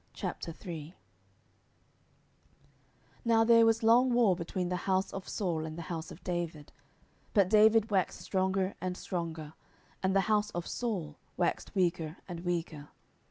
10:003:001 Now there was long war between the house of Saul and the house of David: but David waxed stronger and stronger, and the house of Saul waxed weaker and weaker.